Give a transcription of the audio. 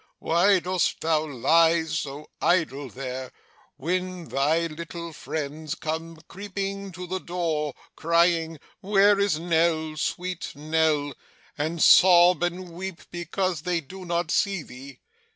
Why dost thou lie so idle there, when thy little friends come creeping to the door, crying "where is Nell sweet Nell?" and sob, and weep, because they do not see thee.